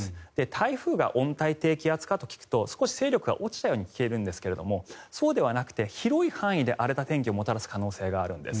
台風が温帯低気圧化と聞くと少し勢力が落ちたように思えるんですがそうではなくて広い範囲で荒れた天気をもたらす可能性があるんです。